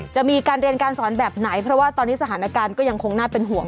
จะมีการเรียนการสอนแบบไหนเพราะว่าตอนนี้สถานการณ์ก็ยังคงน่าเป็นห่วง